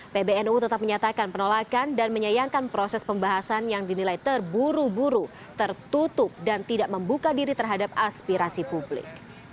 pbnu tetap menyatakan penolakan dan menyayangkan proses pembahasan yang dinilai terburu buru tertutup dan tidak membuka diri terhadap aspirasi publik